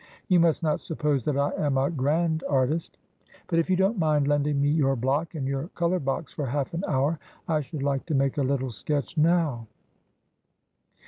You must not suppose that I am a grand artist. But if you 14 Asphodel. don't mind lending me your block and your colour box for half an hour I should like to make a little sketch now.'